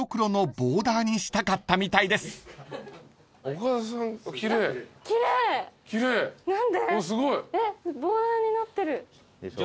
ボーダーになってる。でしょ？